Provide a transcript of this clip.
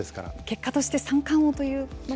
結果として三冠王というのも。